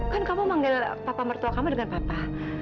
kan kamu manggil papa mertua kamu dengan papa